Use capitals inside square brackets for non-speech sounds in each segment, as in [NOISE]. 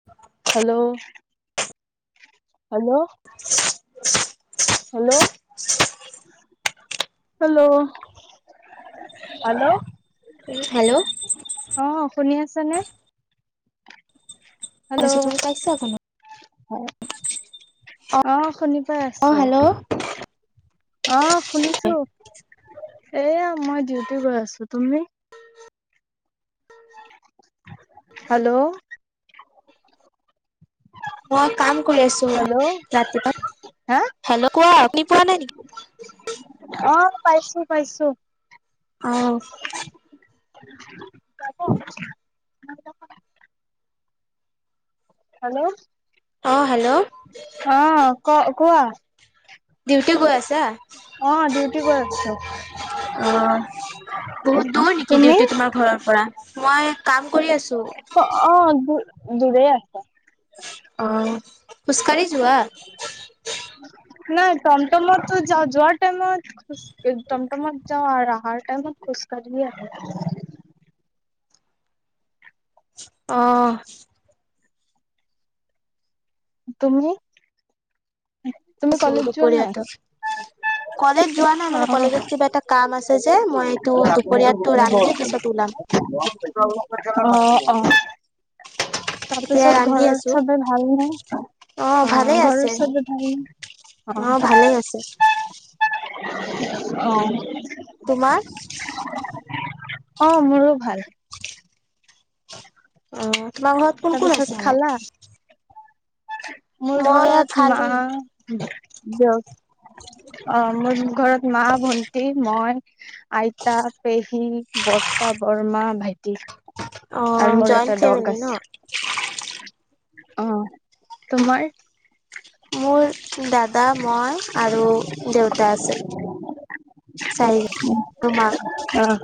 [UNINTELLIGIBLE] Hello. Hello hello. Hello hello. Hello. অ শুনি আছা নে। হেল্ল' তুমি পাইছা জানো? অ শুনি। কই অ আছো হেল্ল' অ। শুনিছো এয়া মই ডিউটি গৈ আছো তুমি। হেল্ল'। মই কাম কৰি আছো হেল্ল' ৰাতিপাত হা হেল্ল' কোৱা আপুনি পোৱা নাই নেক। অ পাইছো পাইছো। অ। [UNINTELLIGIBLE] হেল্ল। অ হেল্ল'। অ ক কোৱা। ডিউটি গৈ আছা। অ ডিউটি গৈ আছো অ বহুত দূৰ নেকি তুমি? ডেউটি তোমাৰ। ঘৰৰ পৰা মই কাম কৰি আছো। অ' অঁ দুৰেই আছে। অঁ খোজকাঢ়ি যোৱা? নাই তটমটমতো যাওঁ যোৱাৰ টাইমত খোজ টমটমত যাওঁ আৰ আহাৰ টাইমত খোজকাঢ়িয়েই আঁহো। অঁ তুমি? তুমি কলেজ ছোৰটো যোৱা পৰীয়া নাই? ত' কলেজ যোৱা নাই মানে, অ কলেজত কিবা এটা কাম আছে যে। মই এইটো দুপৰীয়াটো ৰান্ধি পিছত ওলাম। অঁ অঁ। এতিয়া তাপিছত ৰান্ধি ঘৰৰ আছো। চবেই ভাল নে অ ভালেই ঘৰৰ আছে চব অ ভালেই আছে। [UNINTELLIGIBLE] অঁ অঁ তোমাৰ? অঁ, মোৰো ভাল। ওম তোমাৰ ঘৰত কোন কোন আছে তাৰপিছত এনে? খালা? মোৰ মই ইয়াত ঘৰত মা খালো। দেউ, অঁ মোৰ ঘৰত মা ভন টি, মই, আইতা, পেহী বৰমা বৰতা, মা ভাইটি অ আৰু মোৰ জইণ্ট এটা ফেমিলি ডগ ন? আছে। অঁ তোমাৰ? মোৰ দাদা, মই আৰু দেউতা আছে। চাৰিজন উ আৰু মা। [UNINTELLIGIBLE] আহ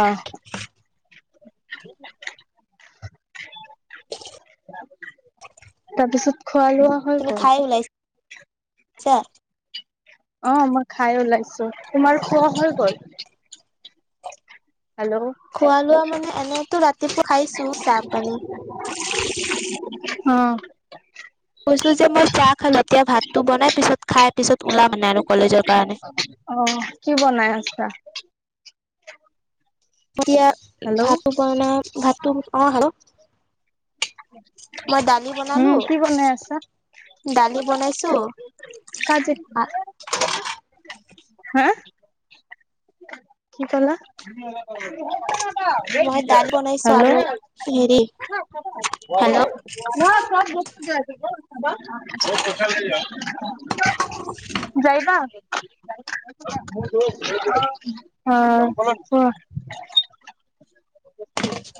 অঁহ উ [UNINTELLIGIBLE] তাপিছত খোৱা লোৱা? হৈ তুমি গ'ল খাই ওলাই ছা? অঁ মই খাই ওলাইছো, তোমাৰ খোৱা হৈ গ'ল হেল্ল'ও খোৱা লোৱা মানে এনেইতো ৰাতিপুৱা খাইছো চাহ পানী। অঁ কৈছো যে মই চাহ খালো, এতিয়া ভাতটো বনাই পিছত খাই পিছত ওলাম মানে আৰু কলেজৰ কাৰণে। অ' কি বনাই আছা? এতিয়া ভাতো বনাম ভাতটো, অঁ হেলো' উম কি বনাই আছা? দালি বনাইছো কাজিৰ হা? কি ক'লা? মই দাল বনাইছো হেল্ল' আৰু হেৰি হেল্ল' ৱাচাৰ নহয় চব বস্তু, [UNINTELLIGIBLE] হ'ব পইচা লৈ যোৱা। যাইবা গৈ আছো। অঁ হয় কোৱা।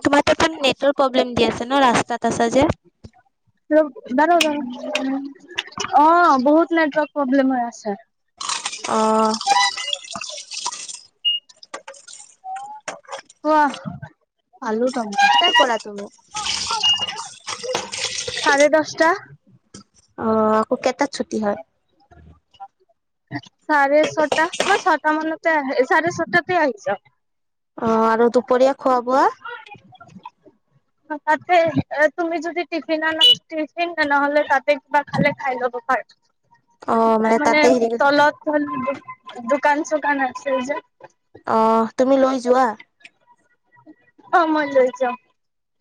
তোমাৰ তাতেন নেটৰ‌ প্ৰব্লেম দি আছে ন, ৰাস্তাত আছা যে? ৰ' বাৰু‌ ৰ অঁ বহুত নেটৱৰ্ক প্ৰব্লেম হৈ আছে। অ কোৱা ভাল টাৰ পৰা তুমি চাৰে দহটা আহ আকৌ কেইটাাত ছুটি হয় চাৰে ছটা মই ছটা মানতে আহ চাৰে ছটাতে আহিছ অ আৰু দুপৰীয়া খোৱা বোৱা তাতে তুমি যদি টিফিন আ টিফিন তেনেহলে তাতে কিবা খালে খাই ল'ব পাৰ অ', মানে তাতে হেৰি তল তল দোকান চোকান আছে যে অ তুমি লৈ যোৱা অ মই লৈ যাওঁ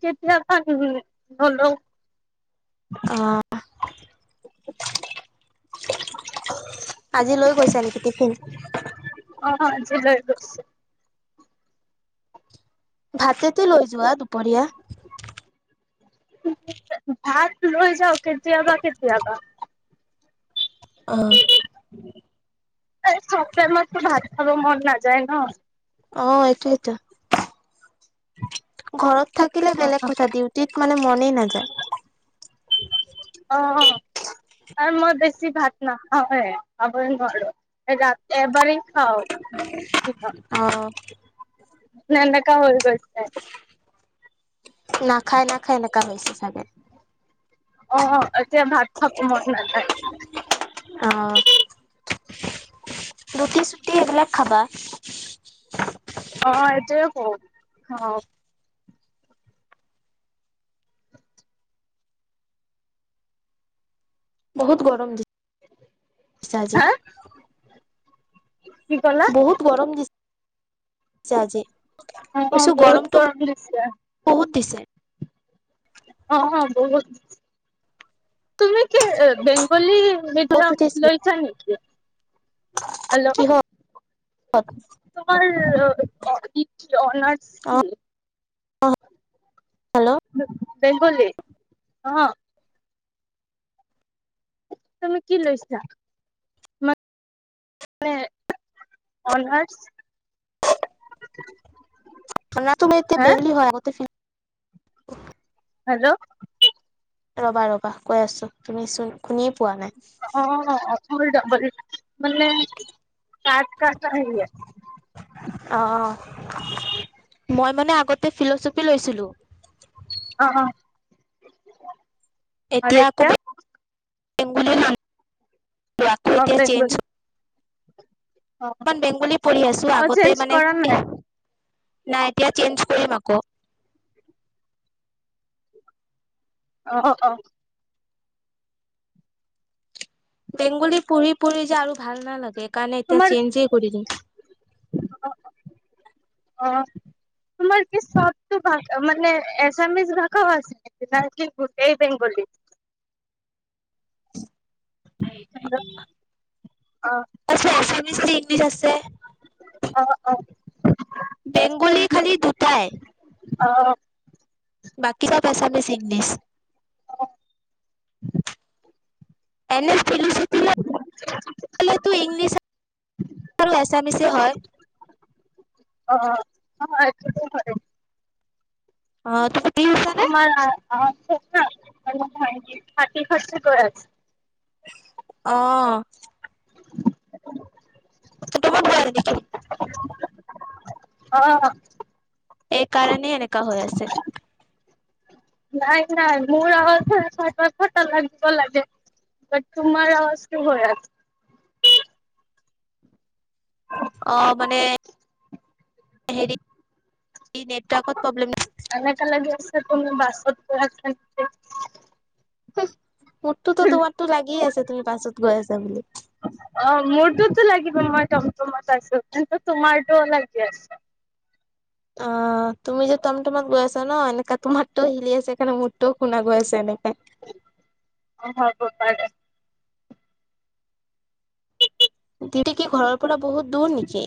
কেতিয়া বা নলও অ আজি লৈ গৈছো নেকি টিফিন অ আজি লৈ গৈছো ভাতেতে লৈ যোৱা দুপৰীয়া ভাত লৈ যাও কেতিয়া বা কেতিয়া বা অ চপ্তৰ [UNINTELLIGIBLE] মাততো ভাত খাব মন নাযায় ন অ এইটো এটো ঘৰত থাকিলে অ' বেলেগ কথা দিউ ত মানে মনেই নাযায় উ অ অ আৰু মই বেছি ভাত নাখাওঁ হে খাবই নোৱাৰো ৰাতি এবাৰেই খাওঁ অ নন্দক হৰ গচ্তে [UNINTELLIGIBLE] নাখাই নাখায় এনেককা হৈ হৈছে চাগে অ এতিয়া ভাত থকো মন নাযায় অ ৰুটি চুটি এইবিলাক খাবা অ এইটয়ে কওঁ অ বহত গৰম দি হ কি ক [UNINTELLIGIBLE] বহুত গৰম দিছে আজি অ কৈছো বহুত গৰমটো গৰম দিছে বহুত দিছে অ হ বত তুমি কে বেংগলী ক'ত মিডয়াম লৈছা নেকি হেল্ল' কিহ [UNINTELLIGIBLE] তোমাৰ অননাৰ্ছ অ কি হেল্ল' বেংগল অ তুমি কি লৈছা মানে অনাৰ্ছ ন তুমি এয়া বেংলি হয় [INAUDIBLE] [UNINTELLIGIBLE] হেল্ল' ৰ'বা ৰ'বা কৈ আছো তুমি চোন শুনে পোৱা নাই অ অ ফ ডবল [INAUDIBLE] মানে কাত ক অ মই মানে আগতে ফিলচফি লৈছিলো অ অ এতিয়া আকৌ [UNINTELLIGIBLE] অ এতিয়া চেঞ্জ বেংগলী অ মান বেংগলী পঢ়ি আছো অ আগতে চেঞ্জ মানে কৰা নাই নাই এতিয়া চেঞ্জ কৰিম আকৌ। অ অ। বেংগলী পঢ়ি পঢ়ি যে আৰু ভাল নালাগে সেইকাৰণে এতিয়া তোমাৰ চেঞ্জেই কৰি দিম। [INAUDIBLE] অ তোমাৰ কি চবটো ভাষা মানে এছামিছ ভাষাও আছে? [UNINTELLIGIBLE] গোটেই বেংগলী। অ', তাৰপিছত আছামিছ নে ইংলিছ আছে? অঁ বেংগলী খালি দুটাই। অঁ। বাকী চব আছামিছ, ইংলিছ। [INAUDIBLE] এনে [UNINTELLIGIBLE] [UNINTELLIGIBLE] ইংলিছ আৰু আছামিছেই হয়। অ' অঁ এইটো হয়ে। অঁ তুমি বিহু [UNINTELLIGIBLE] তোমাৰ আৱাজটো না মানে ভইচটো ফাটি ফাটি গৈ আছে। অঁ। [INAUDIBLE] [UNINTELLIGIBLE] অঁ এই কাৰণে এনেকা হৈ আছে। নাই নাই মোৰ অৱজটোহে ফাটা ফাটা লাগিব লাগে। বাট তোমাৰ আৱাজটো হৈ আছে। অ' মানে, হেৰি নেটৰ্কৰ প্ৰব্লেম দিছে। এনেকুৱা লাগি আছে কোনো বাছত গৈ আছে। মোৰটোতো তোমাৰতো লাগিয়ে আছে তুমি বাছত গৈ আছা বুলি। অ' মোৰতোতো লাগিব মই টমটমত আছো। কিন্তু তোমাৰটো লাগি আছে। অঁ তুমি যে টমটমত গৈ আছা ন এনেকা তোমাৰটো হিলি আছে সেইকাৰণ মোৰটোও শুনা গৈ আছে এনেকে। অঁ হব পাৰে। দিউটি কি ঘৰৰ পৰা বহুত দূৰ নেকি?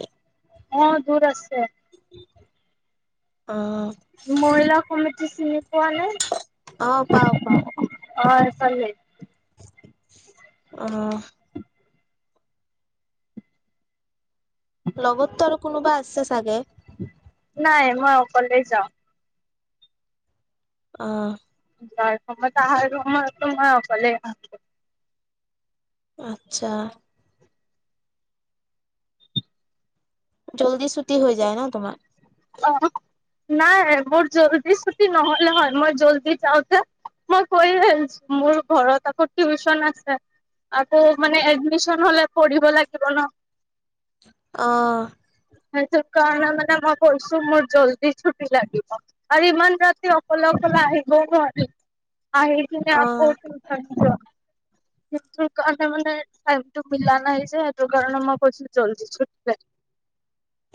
অ', দূৰ আছে। আহ। মইিলা কমিতি চিনি পোৱা নে? অঁহ পাওঁ পাওঁ। অ এইফালে অহ। লগতটো আৰু কোনোবা আছে চাগে? নাই মই অকলে যাওঁ। অঁহ। [UNINTELLIGIBLE] এইটো সময়ততো মই অকলেই। আচ্ছা। জল্দি চুটি হৈ যায় ন তোমাৰ? অ নাই মোৰ জল্দি ছুটি নহ'লে হয়, মই জল্দি যাওঁতে। মই কৈ আছো মোৰ ঘৰত আকৌ টিউচন আছে। আকৌ মানে এডমিচন হলে পঢ়িব লাগিব ন। অ। হয় ক মানে [UNINTELLIGIBLE] কৈছো মোৰ জল্দি ছুটি লাগিব আৰু ইমান ৰাতি অকলে অকলে আহিব নোৱাৰি। আহ কিে অ'। কচ [UNINTELLIGIBLE] [UNINTELLIGIBLE] মিলা নাই যে সেইটো কাৰণে মই কৈছ জল্দি [UNINTELLIGIBLE]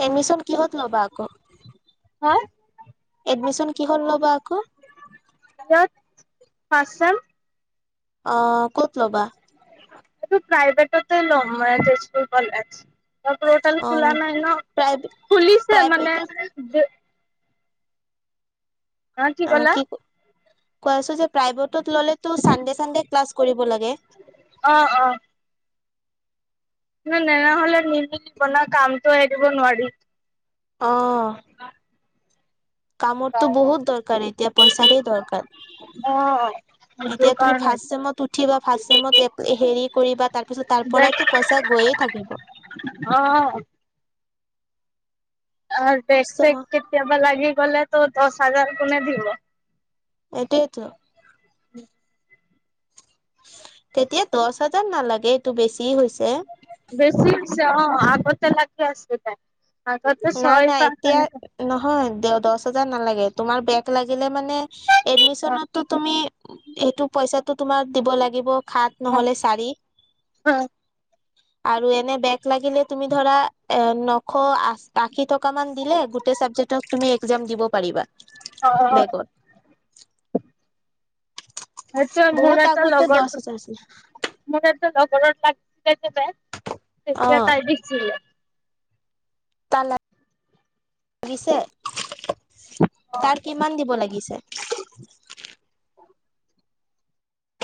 এডমিশ্যন কিহত ল'বা আকৌ? হা! এডমিশন কি হ'ল ল'বা আকৌ? পাঁচ্চন [UNINTELLIGIBLE] অ ক'ত ল'বা? প্ৰাইভেটতে ল'ম ম স্কুল [UNINTELLIGIBLE] [UNINTELLIGIBLE] অ খোলা নাই ন? প্ৰাইভ খুলিছে মানে। প্ৰাইভেটত অ কি, কৈ আছে যে প্ৰাইভেটত ললেতো চানডে চানডে ক্লাছ কৰিব লাগে। অ, অ। ন নহলে নিমিলিব ন কামটো এৰিব দিব নোৱাৰি। অ, কামততো বহুত দৰকাৰ এতিয়া পইচাৰে দৰকাৰ। অ। [INAUDIBLE] সেইটো এতিয়া তুমি কাৰণে ফাৰ্ষ্ট চেমত উঠিবা, ফাৰ্ষট চেমত হেৰি কৰিবা, তাৰপিছত তাৰ দেখ পৰাইতো পইচা গৈয়ে থাকিব। অ। বেক-চেক চ' কেতিয়াবা লাগি গলে তো দশ হাজাৰ কোনে দিব? এটোৱেই ত। তেতিয়া দহ হাজাৰ নালাগে এইটো বেছি হৈছে। বেছি হৈছে অ, আগতে লাগি আছিলে আগতে নাই নাই ছয়-পাঁচ এতিয়া এনেকে। নহয়, দে দহ হাজাৰ নালাগে। তোমাৰ বেগ লাগিলে মানে অ এডমিশনততো তুমি এইতো পইচা। টো তোমাৰ দিব লাগিব সাত অ নহলে চাৰি। আৰু এনে বেগ লাগিলে তুমি ধৰা এ নশ আচ। আশী টকা মান দিলে গোটেই চাবজেক্টত তুমি এক্জাম দিব পাৰিবা। অ অ। বেগত সেইটোৱে মোৰ বহুত এটা আগতে দহ লগৰ। হাজাৰ আছিলে মোৰটো লগৰত লাগিছিলে যে বেক অ তেতিয়া তাই দিছিলে। াল লাগিছে [UNINTELLIGIBLE] তাৰ কিমান দিব লাগিছে? [INAUDIBLE]